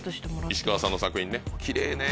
石川さんの作品ね奇麗ね。